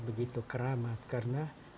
begitu keramat karena